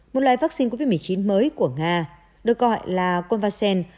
một loại vắc xin covid một mươi chín mới của nga được gọi là convacen